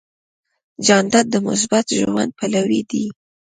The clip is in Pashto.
جانداد د مثبت ژوند پلوی دی.